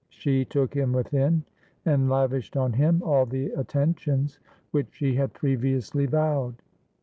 She took him within, and lavished on him all the attentions which she had previously vowed.